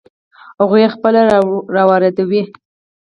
هغوی یې خپله را واردوي.